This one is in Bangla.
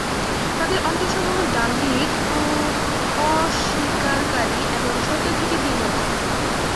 তাদের অন্তরসমূহ দাম্ভিক ও অস্বীকারকারী এবং সত্য থেকে বিমুখ।